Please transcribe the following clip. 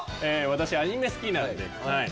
私アニメ好きなんではい。